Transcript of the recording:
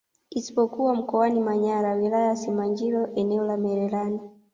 Isipokuwa Mkoani Manyara Wilaya ya Simanjiro eneo la Mererani